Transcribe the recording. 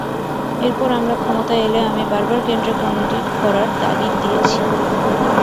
এরপর আমরা ক্ষমতায় এলে আমি বারবার কেন্দ্রে কমিটি করার তাগিদ দিয়েছি।